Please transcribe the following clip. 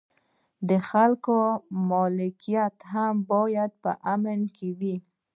د خلکو ملکیت هم باید په امن کې وي.